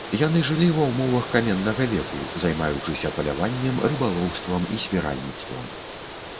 Яны жылі ва ўмовах каменнага веку, займаючыся паляваннем, рыбалоўствам і збіральніцтвам.